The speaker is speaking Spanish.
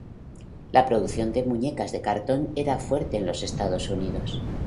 La producción de muñecas de cartón era fuerte en los Estados Unidos.